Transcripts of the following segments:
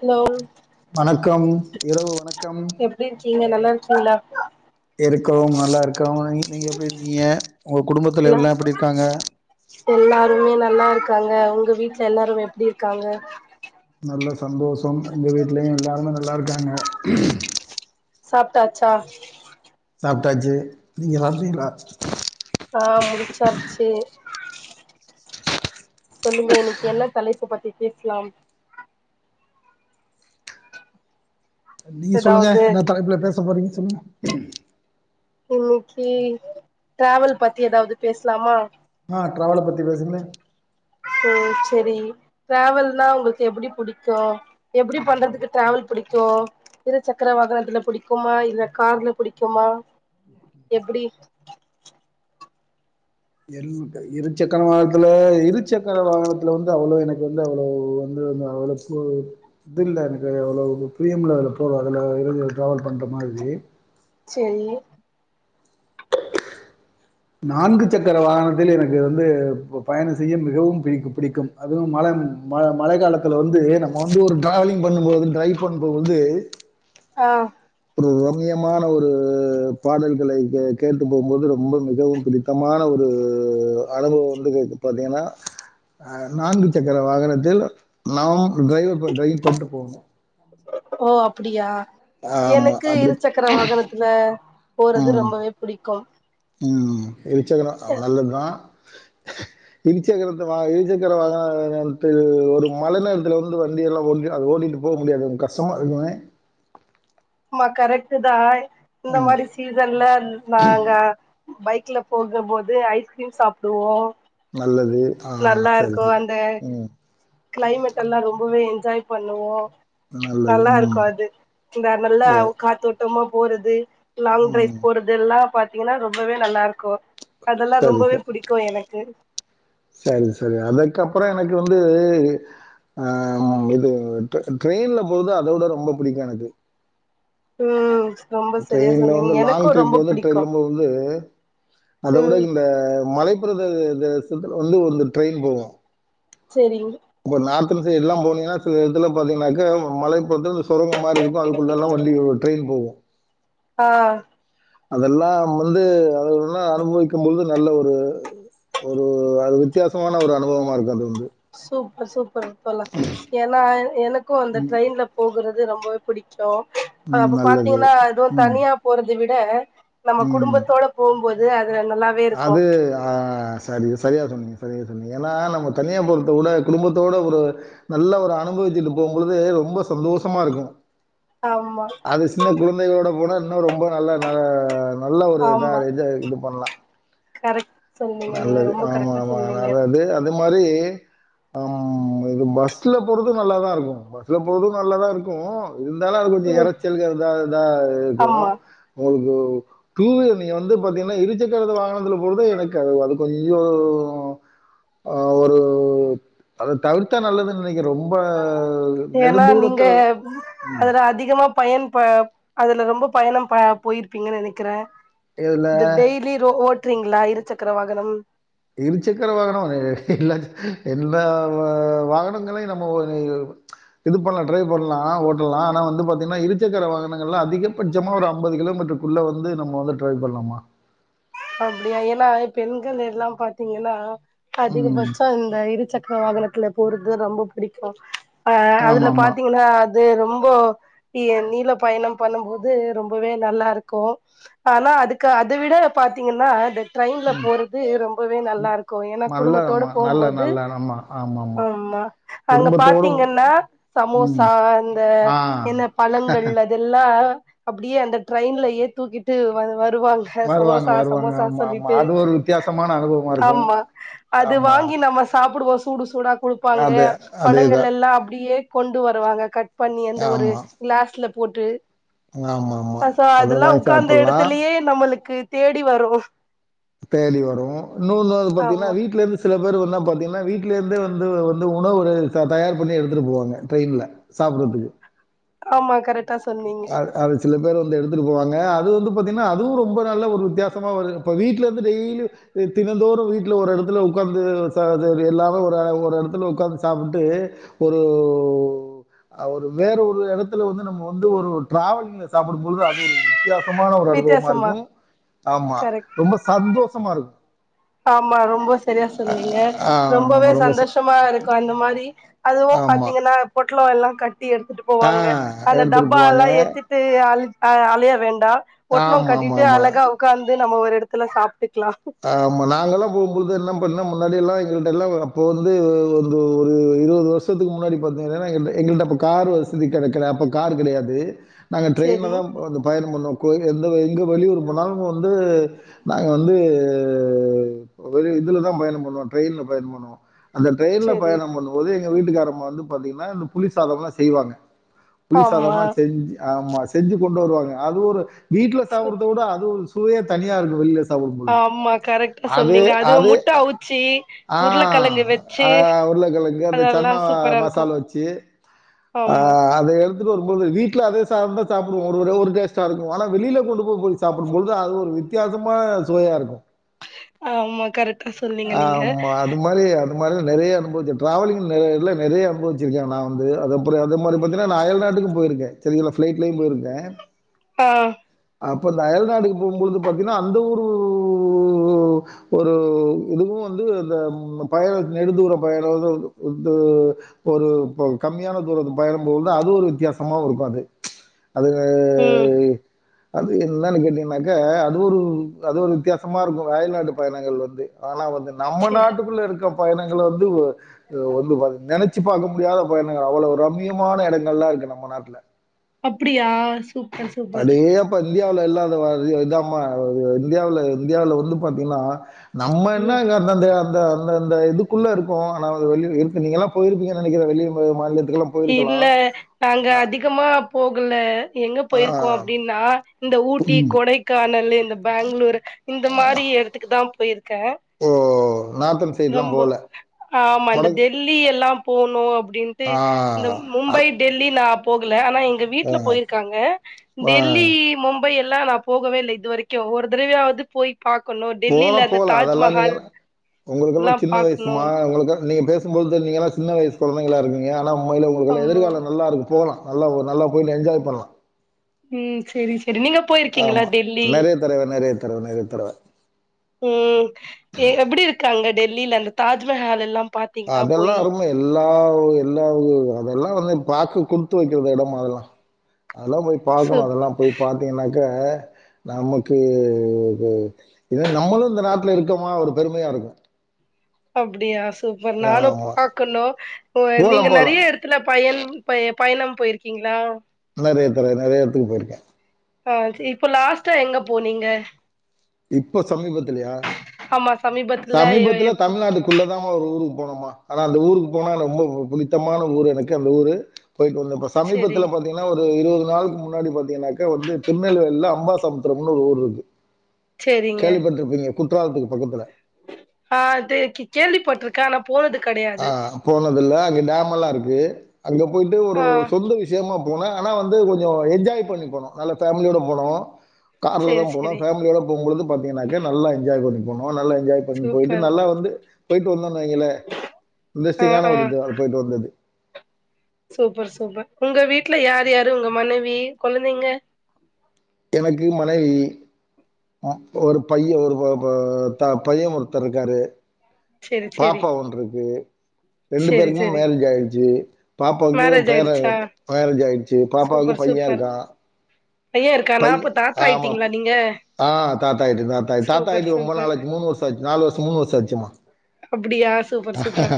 Hello வணக்கம் இரவு வணக் எப்டி இருக்கிங்க நல்லா சொல்லுல இருக்கோம் நல்லாஇருக்கோம் நீ நீங்க எப்டி இருக்கீங்க உங்க குடும்பத்துல நா எல்லாம் எப்டி இருக்காங்க எல்லாருமே நல்லா இருக்காங்க உங்க வீட்டுல எல்லாரும் எப்படி இருக்காங்க ரொம்ப சந்தோஷம் எங்க வீட்டிலேயும் எல்லாருமே நல்லா ல்லா இருக்காங்க சாப்டாச்சா சாப்டாச்சி நீங்க சாப்டிங்ளா ஆ முடிச்சாச்சு சொல்லுங்க இன்னைக்கு என்ன தலைப்பு பத்தி பேஸ்லாம் நீங்க சொல்லுங்க ஏதாவது என்னா தலைப்புல பேச போறீங்க உம் இன்னைக்கு டிராவல் பத்தி ஏதாவது பேசுலாமா ஹ டிராவல பத்தி பேசுங்களேன் செரி டிராவல்னா உங்களுக்கு எப்புடி புடிக்கும் எப்புடி பண்றதுக்கு ட்ராவல் புடிக்கும் இருசக்கர வாகனத்துல புடிக்குமா இல்ல கார்ல புடிக்குமா எப்புடி இரு சக்கர வாகனத்துல இரு சக்கர வாகனத்துல வந்து அவ்வளவா எனக்கு வந்து அவ்வளவு வந்து அவ்ளோ இது இல்ல எனக்கு அவ்ளோ பிரியம் இல்ல போற அதுல இருந்து டிரவல் பண்ற மாதிரி ச்செரி நான்கு சக்கர வாகனத்தில் எனக்கு வந்து பயணம் செய்ய மிகவும் பிடி பிடிக்கும் அதுவும் மழை காலத்துல வந்து நம்ம வந்து ட்ராவலிங் ரைபண்ணும்போது ஆஹ் ஒரு ரம்மியமான ஒரு பாடல்களை கேட்டு போகும்போது ரொம்ப மிகவும் பிடித்தமான ஒரு அனுபவம் வந்து பாத்தீங்கன்னா அஹ நான்கு சக்கர வாகனத்தில் நாம் டிரைவர் பண்ணிட்டு போணும் ஓ அப்டியா ஆமாம் எனக்கு அப்படி இரு சக்கர வாகனத்துல போறது ரொம்பவே புடிக்கும் உம் [unintelligible] இருச்சக்கரத்தை இருச்சக்கரம் வாங்கின ஒரு மலைை நேரத்துல வந்து வண்டிய எல்லாம் ஓ அதது ஓடிட்டு போக முடியாது கஷ்டமா இருதுமே மா கரெக்டடு தான் இந்த ம் மாரி சீசன்ல நாங்க பைக்ல போகும் போது ஐஸ்கிரீம் சாப்டுவோம் நல்லது ஆ நல்லா சரி இருக்கும் சரி அந்த ம் கிளைமேட் எல்லாம் ரொம்பவே ஜாய் பண்ணுவோ நல்லது நல்லா ம் இருக்கும் அது இந்த நல்லா ஓ காத்தோட்டமா போறது லாங் ட்ரைவ் ம் போறது எல்லாம் பா பாத்தீன்னா ரொம்பவே நல்லா இருக் கோ அதெல்லாம் சரி ரொம்பவே சரி பிடிக்கும் எனக்கு சரி சரி அதுக்கப்புறம் எனக்கு வந்து ஆஹ் இது ட்ரெயின்ல போறது அதோட ரொம்ப புடிக்கும் எனக்கு உம் ட்ரெயின்ல வந்து லாங் ட்ரிப் வந்து ட்ரெயின்ல போது அதை விட ம் இந்த மலை [unintelligible] ட்ரெயின் போவோம் சரிங்க சல்லாம் போனீங்கன்னா சில இத்துல பாத்தீங்கா மலை பொறு சுரங்க மாதிரி இருக்கும் அதுக்குள்ளல்லாம் வள்ளி ஒரு டிரெயின் போகும் ஆஹ் அதெல்லாம் வந்து அதனா அனுபவிக்கும்பழுது நல்ல ஒரு ஒரு அது வித்தியாசமான ஒரு அனுபவமா இருக்கு அது வந்து சூப்பர் சூப் [unintelligible] எனக்கும் அந்த ம், ட்ரெயின்ல போறது அது ரொம்பவே பிடிக்கும் ம். அப்ப நல்லது. பாத்தீங்கன்னா எதுவும் ம், தனியா போறது விட் ந நம்ம ம். குடும்பத்தோட போம்போது [unintelligible] இருக்கு அது ஆஹ் சரி சரியா சொன்னீங்க சரியா சொன்னீங்க ஏன்னா நம்ம தனியாபுரத்த விட குடும்பத்தோட ஒரு நல்ல ஒரு அனுபவிச்சுட்டு போகம்போது ரொம்ப சந்தோஷமா இருக்கும் ஆமா அது சின்ன கு குழந்தைகளோட போனா இன்னும் ரொம்ப நல்லா நல்ல ஒரு இதா ஆமா இது பண்ணலாம் கரெக்ட் சொன்னீங்க நீங்க நல்லது ரொம்ப ஆமா கரெக்டா ஆமா சொன்னீங்க ஆனாலு வந்து அது மாரி அம் இது பஸ்ல போறது ம் நல்லாதா இருக்கும் பஸ்ல போறது நல்லாதா இருக்கும் இருந்தாலு அது கொஞ்ச ம் எரச்சல்க அதா இதா இருக்கு ஆமா உங்களுக்கு டூ வீலர் நீங்க வந்து பாத்தீங்கன்னா இரு சக்கர வாகனத்தில போறது எனக் கொ அது கொஞ்சோ ஆ ஒரு அத தவிர்த்தா நல்லதுன் இன்னைக்கு ரொம்ப ஏன்னா நீங்க நெடுந்தூரத்துல உம் ப்ப அதுல ரொம்ப பயணம் ப போயிருப்பீங்கன்னு நெனைக்கிறே இதுல அது டெய்லி ரோ ஓ ட்றீங்களா இரு சக்கர வாகனம் இரு சக்கர வாகனோ எல்லா எல்லா வா வாகனங்களையு நம்ம இது பண்லா ட்ரைவ் பண்லா ஓட்டலா ஆனா வந்து பாத்தீங்கன்னா இரு சக்கர வாகனங்கள்லா அதிகபட்சமா ஒரு அம்பது கிலோமீட்டருக்குள்ள வந்து நம்ம வந்து ட்ரைவ் பண்லாம்மா அப்டியா ஏன்னா பெண்கள் எல்லாம் பாத்தீங்கன்னா ம் அதிகபட்ச இந்த இருசக்கர வாகனத்துல போற அது ரொம்ப புடிக்கு ஆ அதுல ஆமாம் ஆமாம் பாத்தீங்கன்னா அது ரொம்பொ நீ நீள பயணம் பண்ணும்போது ரொம்பவே நல்லா இருக்கு ஆனா அதுக்கு அத விட பாத்தீங்கன்னா இது ட்ரெயின்ல ம் போறது ரொம்பவே நல்லா இருக்கு ஏன்னா நல்லா குடும்பத்தோட ஆமாம் நல்ல போம்போது நல்ல ஆமாம் ஆமாம் ஆமாம் ஆமா அங்க குடும்பத்தோடும் பாத்தீங்கன்னா ம் சமோசா அந்த ஆ என்ன பழங்கள் அதெல்லா அப்டியே அந்த ட்ரெயின்லயே தூக்கிட்டு வருவார் வருவாங்க சமோஸ் வருவாங்க ஆ வருவாங்க சமோசா ஆமாம் ஆமாம் சொல்லிட்டு அது ஒரு வித்தியாசமான அனுபவமாக இருக்கும் ஆமா அது ஆமாம் வாங்கி நம்ம சாப் அப்டி ஒரு சூடு சூடா குடுப்பாங்க அது அதே தான் படங்களெல்லா அப்டியே கொண்டு வருவாங்க கட் பண்ணி அந்த ஒரு ஆமாம் கிளாஸ்ல போட்டு ஆமாம் ஆ ஆமாம் சோ அதை அதெல்லா வாங்கி உ்க்காந்த சாப்பிட்லாம் எடத்துலயே நம்மளுக் க்கு தேடி வரு தேடி வரும் இன்னொன்னு வந்து பாத்தீங்கன்னா ஆமா வீட்ல இருந்து சில [unintelligible] பாத்தீங்கன்னா வீடல இருந்தே வந்து வந்து உணவு த தயார் பண்ணி எடுத்துட்டு போவாங்க ட்ரெயின்ல சாப்பிடுறதுக்கு ஆமா கரெக்ட் ட்டா சொன்னீங்க சில பேர் வந்து எடுத்துட்டு போவாங்க அது வந்து பாத்தீங்கன்னா அதுவும் ரொம்ப நல்ல ஒரு வித்தியாசமா வரும் இப்ப வீட்டுல இருந்து டெய்லி தினந்தோறும் வீட்டுல ஒரு இடத்துல உட்காந்து எல்லாமே ஒரு ஒரு இடத்துல உட்காந்து சாப்பிட்டு ஒரு ஒரு வேற ஒரு இடத்துல வந்து நம்ம வ வந்து ஒரு டிராவலிங்ல சாப்பிடும் போது அது ஒரு வித்தியாசமான ஒரு அனுபவமா வித்தியாசமா இருக்கும் ஆமா கரெக்ட் ரொம்ப சந்தோஸ்சமா இருக்கும் ஆமா ரொம்ப சரியா அ சொன்னீங்க ரொம்பவே ஆமாமா ரொம்ப ச சந்தோஷமா இருக்கும் அந்த மாரி அதுவும் ஆமா. பாத்தீங்கன்னா போட் [unintelligible] எல்லாம் கட் எடுத்துட்டு ஆ போவாங்க அந்த எடுத்துட்டு டப்பா போவாங்க. எல்லா எத்துட்டு அல் ஹ அலைய வேண் [unintelligible] பொட்டனம் ஆமா, ஆமா, கட்டிட்டு ஆமா. அழகா உக்காந்து நம்ம ஒரு இடத்துல சாப்ட்டு [unintelligible] ம் நாங்கல்லாம் போம்போது என்ன பண்ணா முன்னாடி எல்லாம் எங்கிட்ட எல்லாம் அப்ப வந்து வந்து ஒரு இருபது வருஷத்துக்கு முன்னாடி பா்த்தீங்கன்னா எங்கள்டப்ப கார் வசதி கிடைக்கல அப்ப கார் கிடையாது நாங்க ட்ரெயின்ல சேரி தா வந்து பயனம் பண்ணுவோம் கோயில் எந்த எங்க வெளியூர் போனாலூம் வந்து நாங்க வந்து வெ அது இதுலதா பயணம் பண்ணுவான் ம் ட்ரெயின்ல பயன் பண்ணுவான் அந்த டிரெயின்ல செரி பயணம் பண்ணும் போதே வீட்டுக்காரமா வந்து பாத்தீங்கன்னா இந்த புலிசாதலாம் செய்வாங்க ஆமா புளிசாதம்ல செஞ்சு ஆமா செஞ்சு கொண்டு வருவாங்க அது ஒரு வீட்ல சாவுரத உட அது ஒரு தூய தனியா இருக்கு [unintelligible] தவும்போது கரெக்ட்டா சொல்லீங்க அதுவும் முட்ட அவுச்சி ஆஹ் உருளக்கெழங்கு வெச்சு அஹ் உருளைக்கிழங்க அந்த அதெல்லா சன்ன சூப்பரா இருக்கு மசால் வச்சு ஆமா அஹ் அது எடுத்துட்டு வரும்போது வீட்ல அதே சாதம் தா சாப்டுவோம் ஒரு தடவ ஒரு டேஸ்டா இருக்கும் ஆனா வெளியில கொண்டு போய் போய் சாப்பிடும்போது அது ஒரு வித்தியசமா சுவையா இருக்கும் ஆமா கரக்ட் ஆமா அது மாரி அது இப்ப இல்ல நெறிய அனுபவிச்சிருக்க நான் டிராவலிங் வந்து நா நெறிய அனுபவசிருக்கே நா வந்து அதுமாதிரி பாத்திங்கான அயல்நாட்டுக்கு போயிருக்கே சரிங்களா நா பிளைட்லையும் போயிருக்கே ஆ அப்ப இந்த அயல்நாடுக்கு போம்போது பாத்தீங்கன்னா அந்த ஒருஊ ஒரு இதுவு வந்து இந்த பயண நெடு தூர பயணம் ஒரு இப்ப கம்மியான தூரத்தை பயணும்போது அது ஒரு வித்தியாசமா இருக்கு அது ம் அதுங்க அது என்னன்னு கேட்டீங்கனாக்க அது ஒரு அது ஒரு வித்தியாசமா இருக்கும் வயல்நாட்டு பயணங்கள் வந்து ஆனா வந்து நம்ம செரி நாட்டுக்குள்ள இருக்கம் பயணங்களை வந்து வந்து பார்த்து நினைச்சு பார்க முடியாத பயணங்கள் வந்து வந்து ரம்மியமான இடங்கலாம் இருக்கு நம்ம நாட்ல அப்படியா சூப்பர் சூப்பர் இந்தியாவ இல்லாத இதாம இந்தியாவல இந்தியாவில வந்து பாத்தீங்கன்னா நம்ம என்ன ம் அந்தந்த-அந்த-அந்த அந்த இதுக்குள்ள இருக்கும் ந நீங்கெல்லாம் போயிருப்பீங்க நெனைக்கிற வெளி மா மாநிலத் இல்ல நாங்க அதிகமா போகல எங்க போயிருக்கோ ஆ, அப்டின்னா இந்த ஊட்டி ம். கொடைக்கானல் இந்த பெங்களூர் இந்த மாரி இடத்துக்கு தா போயிருக்கே ஓ நார்த்தன் சைட்லாம் ரொம்ப போகல ஆமா இந்த வடக்கு டெல்லி எல்லா போனோ அப் டின்ட்டு ஆ, இந்த ம்-மும்பை அ- டெல்லி நா இல ஆனா எங்க ஆ, வீட்டுல போயிருக்காங்க ஆ, டெல்லி மும் மும்பை எல்லா நா போகவே இல்ல இது வரைக்கு ஒரு தடவையாவது போய் பாக்கணு டெல்லில அந்த போலா-போலா அதெல்லாம் தாஜ்மஹால் நீங்கல்லா உங்களுக்கெல்லா எல்லா சின்ன வயசு பாக்கணு மா உங்களுக்கு நீங்க பேசும்போது நீங்கலா சின்ன வயசு கொழந்தைகளா இருக்கீங்க ஆனா உண்மையில உங்களுக்கெல்லா ஆமா எதிர்காலோ நல்லாருக்கு போலா நல்லா ஒரு நல்லா போய் என்ஜாய் பண்ணலா உம் செரி சி ஆமா நெறைய தடவ-நெறைய தடவ-நெறைய தடவ உம் எ எப்டி இருக்காங்க டெல்லியில அந்த தாஜ்மஹால் எல்லாம் அதெல்லாம் [unintelligible] எல் எல்லா-எல்லா அதெல்லாம் வந்து பாக்க குடுத்து வைக்கற இடமா அதெல்லாம் அதெல்லாம போய் பாக்கணு சூப் அதெல்லாம் போய் பாத்தீங்கனாக் க்க நமக்கு இது இது நம்மளும் இந்த நாட்டுல இருக்கோமா ஒரு பெருமையா இருக்கும் அப்டியா ஸ் சூப்பர் நானும் ஆமா. பாக்கணு இப்ப போலாம், நீங்க போலாம். நெறைய எடத்துல பையன்-பய பயணம் போயிருக்கீங்ளா [unintelligible] நெறைய இடத்துக்கு போயிருக்கே ஆஹ் சி இப்ப லாஸ்ட்டா எங்க போனீங்க இப்ப சமீபத்துலயா ஆமா எ சமீபத்துல எப்போ தமிழ்நாட்டுக்குள்ளதா ஒரு ஊரு போனுமா ஆனா அந்த ஊருக்கு போனா ரொம்ப புனித்தமான ஊரு எனக்கு அந்த ஊரு போயிட்டு வந்து இப்ப செரி சமீபத்துல பாத்தீங்கன்னா ஒரு இரு நாளுக்கு முன்னாடி பாத்தீங்கன்னாக்க வந்து திருநெல்வேலில அம்பா சமுத்திரம்னு ஒரு ஊர் இருக்கு செரிங்க கேள்விப்பட்டுருப்பீங்க குற்றாலத்துக்கு பக்கத்துல ஆ அது கேள்விப்பட்டிருக்க போனது கடையாது ல்ல அங்க டேம் எல்லா இருக்கு அங்க போயிட்டு ஒரு ஆ சொந்த விஷயமா போனே ஆனா வந்து கொஞ்சம் என்ஜாய் பண்ணி போனும் நல்ல ஃபேமிலியோட போனோம் கார்ல செரி தான் போனோம் செரி ஃபேமிலியோட போகும்போது பாத்தீங்கநாக்க நல்ல என்ஜாய் பண் [inaudible] நல்லா என்ஜாய் பண்ண போயிட்டு சூப்பர் நல்லா வந்து போயிட்டு வந்தோனா வைங்களே ஆ இந்தஸ்டிங்கான ஆ ஒரு இது அது போயிட்டு வந்தது சூப்பர் சூப்பர் உங்க வீட்டுல யார் யாரு உங்க மனைவி கெழந்தைங்க எனக்கு மனைவி ஒரு பையன் ஒரு ப பா த பையன் ஒருத்தர் இருக்காரு செரி செரி பாப்பா ஒன்று இருக்கு ரெண்டு செரி பேருக்கும் செரி மேரேஜ் ஆயிடுச்சு பாப்பாவுக்கு மேரேஜ் பேரே ஆயிடுச்சா மேரேஜ் ஆயிடுச்சு பாப்பாவுக்கு சூப்பர் பையன் சூப்பர் இருக்கான் இருக்கானா பைய அப்ப தாத்தா ஆமா ஆயிட்டீங்களா நீங்க தாத்த தாத்தா சூப்பர் தாத்தாயிட்டு ரொம்ப சூப்பர் நாளச்சு மூணு வருஷம் ஆ நாலு வருஷம் மூணு வருஷ ஆச்சு சும்மா அப்டியா [inaudible] சூப்பர் சூப்பர் ஆமா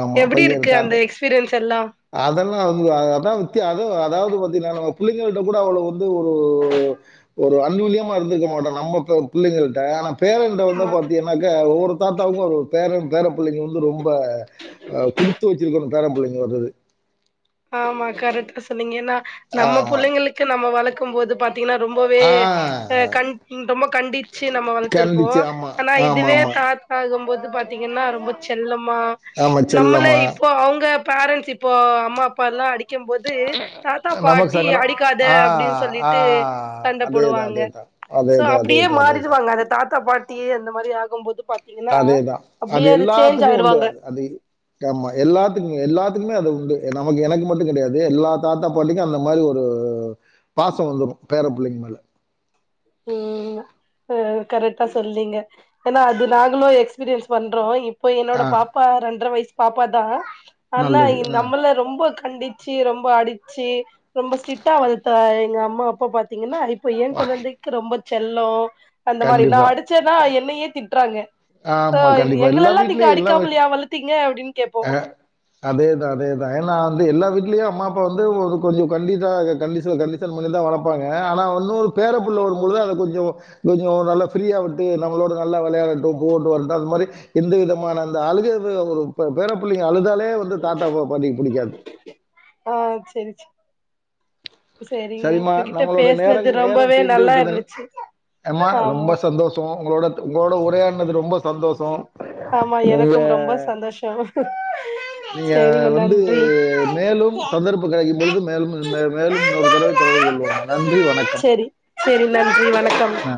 ஆமா எப்டி பையர் இருக்கு அந்த தாத எக்ஸ்பீரியன்ஸ் எல்லா அதெல்லாம் அதான் வித்தியா அத அதாவது பத்தீன்னா நம்ம புள்ளைங்கள்ட கூட அவளவு வந்து ஒரு [inaudible] ஒரு அன்னுனியமா இருந்துக்க மாட்டோம் நம்ம புள்ளங்கள்ட பேரன்ட வந்து ஆமா பாத்தீங்கன்னக்கா ஒரு தாத்தாக்கும் ஒரு பேரன் பேரம்பிள்ளைங்க வந்து ரொம்ப அ குடுத்து வச்சிருக்கனும் பேரப்பிள்ளைங்க வர்றது ஆமா கரெக்டா சொன்னீங்க ந நம்ம ஆமா. புள்ளைங்களுக்கு நம்ம வழக் இருக்கும் போது பாத் ங்கா ரொம்பவே ஆ ரொம்ப கண்டிச்சு நம்ம கண்டிச்சு. வளர்த்துருப்போம் ஆமா. ஆனா இதுவே ஆமாமா. தாத்தாகும் போது பாத்தீங்கன்னா ரொம்ப செல்லம் மா ஆமா, நம்மள செல்லமா. இப்போ அவங்க பேரண்ஸ் இப்போ அம்மா பல்லாம் அடி க்கும் போது தாத்தா நமக்கு பாட்டி சங்கடம். அடிக்காத ஆ, அப்டின்னு ஆ. சொல்லிட்டு சண்டை அதேதான், போடுவாங்க அதேதான். சோ அதேதான், அப்டியே அதேதான், அதேதான். மாறிடுவாங்க அந்த தாத்தா பாட்டி [inaudible] மாரி ஆகும் போது அதேதான் அது எல்லாத்துக்கும் உண்டு ஆயிருவாங்க அது அது ஆமா எல்லாத்துக்குே எல்லாத்துக்குமே அது உண்டு நமக்கு எனக்கு மட்டும் கிடையாது எல்லா தாத்தா பாட்டிக்கும் அந்த மாரி ஒரு பாசம் வந்துரும் பேர புள்ளைங்க மேல உம் ஹ கரெக்டா சொல்லீங்க ஏன்னா அது நாங்களும் எக்ஸ்பீரியன்ஸ் பண்றோம் இப்ப என்னோட ஆ பாப்பா ரெண்டர வயசு பாப்பா தான் ஆனா நல்லது. ஆ. நம்மள ரொம்ப கண்டிச்சு ரொம்ப அடிச்சு ரொம்ப ஸ்ட்ரிக்டா வளத்த எங்க அம்மா அப்பா பாத்தீங்கன்னா இப்ப எங் கொழந்தை ரொம்ப செல்லோம் அந்த மாதிரி கண்டிப்பா. நான் அடிச்சேன்னா என்னையே திட்டுறாங்க ஆமா கண்டிப்பா எல்லா வீட்லயும் எல்லா அடிக்காமலையா வளத்தீங்க அப்டின்னு கேப்போ ஹ அதேதான் அதேதான் ஏன்னா வந்து எல்லா வீட்லேயே அம்மா அப்பா வந்து கொஞ்சம் கண்டிஷா கண்டிஷன் பண்ணி தான் வளர்பாங்க ஆனால் இன்ன பேர புள்ள வரும் பொழுது அதை கொஞ்சம் கொஞ்சம் நல்லா ஃப்ரீயா விட்டு நம்ளோட நல்லா விளையாட ண்டு வந்தா அது மாரி எந்த விதமான அந்த அழுகுரது ஒரு பேரப்பிள்ளைங்க அழுதாலே [unintelligible] வந்து தாத்தாக்கு பாட்டிக்கு பிடிக்காது ஆ சேரி சரிங்க சரிம்மா, உங்ககிட்ட நம்மளோட நேரம் பேசுறது நேரம் ரொம்பவே தீர்ந்து நல்லா விட்டது. இருந்துச்சு அம்மா, ரொம்ப ஆமா சந்தோஷம். உங்களோட உங்களோட உரையாடினது ரொம்ப சந்தோசோ ஆமா எனக்கும் ரொம்ப சந்தோஷம் நீங்க சேரிங்க வந்து நன்றி மேலும் சந்தர்ப்பம் கிடைக்கும் பொழுது மேலும் மேலும் இன்னொருதடவ தொடர்பு கொள்வோம்மா நன்றி வணக்கம் செரி நன்றி வணக் வணக்கம் ஆ